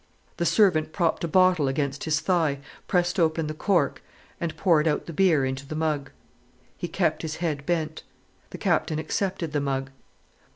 The servant propped a bottle against his thigh, pressed open the cork, and poured out the beer into the mug. He kept his head bent. The Captain accepted the mug.